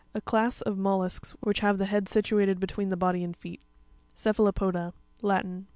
A class of mollusks which have the head situated between the body and feet (page 19). Cr'pHaLopo'pa.—Latin.